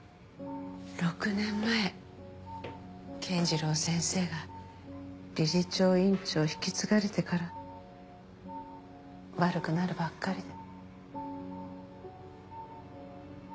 ６年前健次郎先生が理事長院長を引き継がれてから悪くなるばっかり。